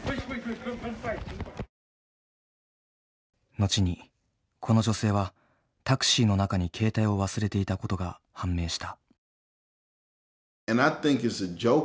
後にこの女性はタクシーの中に携帯を忘れていたことが判明した。